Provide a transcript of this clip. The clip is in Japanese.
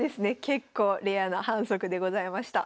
結構レアな反則でございました。